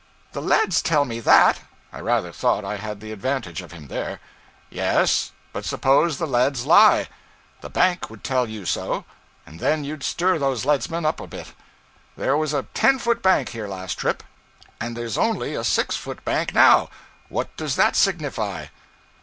'The leads tell me that.' I rather thought I had the advantage of him there. 'Yes, but suppose the leads lie? The bank would tell you so, and then you'd stir those leadsmen up a bit. There was a ten foot bank here last trip, and there is only a six foot bank now. What does that signify?'